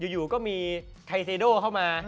อยู่ก็มีไทเซโดเข้ามา